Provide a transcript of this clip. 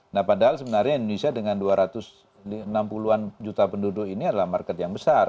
nah padahal sebenarnya indonesia dengan dua ratus enam puluh an juta penduduk ini adalah market yang besar